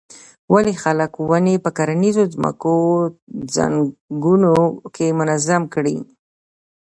ولې خلک ونې په کرنیزو ځمکو څنګونو کې منظم کري.